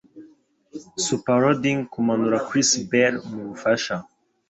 superloading kumanura Chris Bell mubufasha.